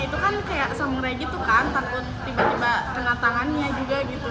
itu kan kayak samurai gitu kan takut tiba tiba kena tangannya juga gitu